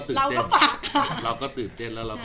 คือเรามาฮากันครับแล้วก็